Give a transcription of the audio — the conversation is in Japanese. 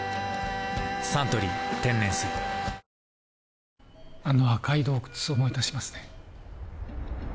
「サントリー天然水」あの赤い洞窟を思い出しますね